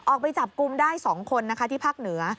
ไปจับกลุ่มได้๒คนนะคะที่ภาคเหนือ